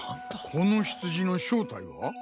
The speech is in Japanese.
このヒツジの正体は？